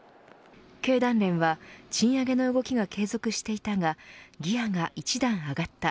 経団連は、賃上げの動きが継続していたがギアが一段上がった。